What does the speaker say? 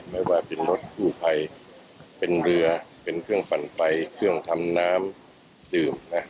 ไม่ว่าเป็นรถกู้ภัยเป็นเรือเป็นเครื่องปั่นไฟเครื่องทำน้ำดื่มนะ